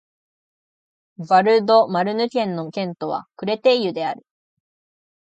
ヴァル＝ド＝マルヌ県の県都はクレテイユである